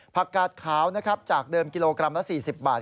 ผักกาดขาวจากเดิมกิโลกรัมละ๔๐บาท